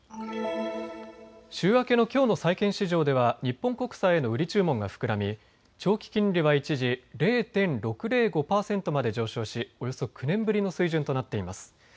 週明けのきょうの債券市場では日本国債への売り注文が膨らみ長期金利は一時、０．６０５％まで上昇しおよそ９年ぶりの水準となっています。